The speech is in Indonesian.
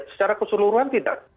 secara keseluruhan tidak